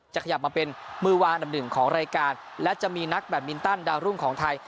ขยับมาเป็นมือวางอันดับหนึ่งของรายการและจะมีนักแบตมินตันดาวรุ่งของไทย